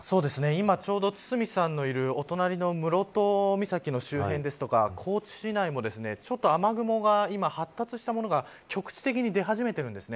今、ちょうど堤さんのいるお隣の室戸岬の周辺ですとか高知市内もちょっと雨雲が発達したものが局地的に出始めてるんです。